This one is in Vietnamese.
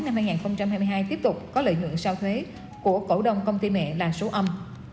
năm hai nghìn hai mươi hai tiếp tục có lợi nhuận sau thuế của cổ đông công ty mẹ là số âm